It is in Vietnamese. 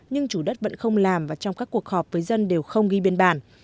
nhưng chủ đất vẫn không làm và trong các cuộc họp với dân đều không ghi biên bản